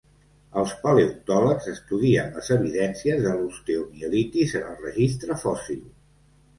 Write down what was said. Els paleontòlegs estudien les evidències de l'osteomielitis en el registre fòssil.